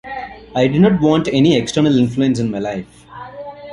I did not want any external influence in my life.